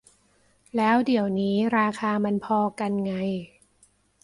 แล้วเดี๋ยวนี้ราคามันพอกันไง